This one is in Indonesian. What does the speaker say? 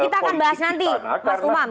oke itu kita akan bahas nanti mas umam